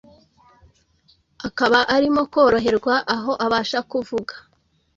akaba arimo koroherwa aho abasha kuvuga,